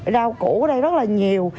rau củ ở đây rất là nhiều